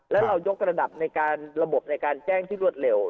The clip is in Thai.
แล้วเรายกระดับในการระบบในการแจ้งที่รวดเร็ว